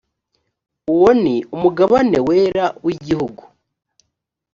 uwo ni umugabane wera w igihugu